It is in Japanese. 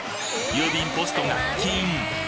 郵便ポストが金！